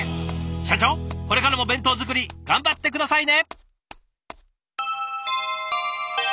社長これからも弁当作り頑張って下さいね！